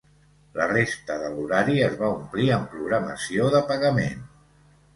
La resta de l'horari es va omplir amb programació de pagament.